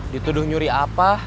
dituduh nyuri apa